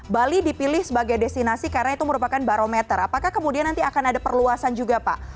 bali dipilih sebagai destinasi karena itu merupakan barometer apakah kemudian nanti akan ada perluasan juga pak